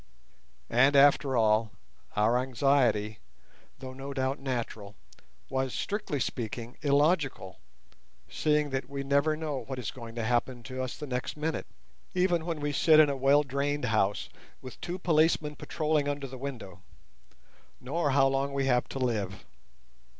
And, after all, our anxiety, though no doubt natural, was, strictly speaking, illogical, seeing that we never know what is going to happen to us the next minute, even when we sit in a well drained house with two policemen patrolling under the window—nor how long we have to live.